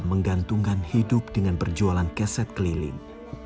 menggantungkan hidup dengan berjualan keset keliling